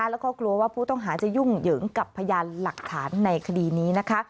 แล้วก็กลัวว่าผู้ต้องหาจะยุ่งเหยิงกับพยานหลักฐานในคดีนี้นะคะ